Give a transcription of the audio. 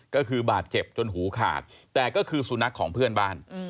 ก็คือบาดเจ็บจนหูขาดแต่ก็คือสุนัขของเพื่อนบ้าน